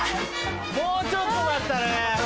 もうちょっとだったね。